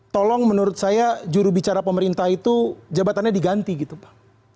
tolong menurut saya jurubicara pemerintah itu jabatannya diganti gitu pak